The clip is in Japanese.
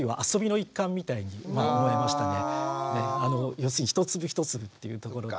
要するに一粒一粒というところでですね